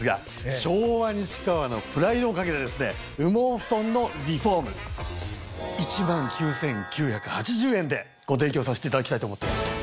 昭和西川のプライドを懸けて羽毛ふとんのリフォーム。でご提供させていただきたいと思ってます。